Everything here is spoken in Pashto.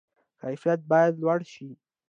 کیفیت باید لوړ شي